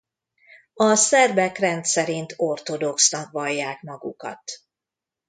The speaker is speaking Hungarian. A szerbek rendszerint ortodoxnak vallják magukat.